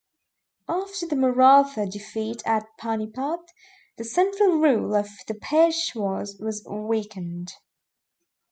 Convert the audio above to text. After the Maratha defeat at Panipat, the central rule of the Peshwas was weakened.